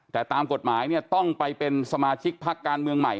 แต่ตามกฎหมายเนี่ยต้องไปเป็นสมาชิกพักการเมืองใหม่